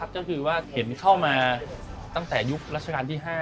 ก็คือว่าเห็นเข้ามาตั้งแต่ยุครัชกาลที่๕